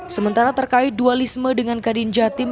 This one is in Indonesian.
sementara terkait dualisme dengan kadin jatim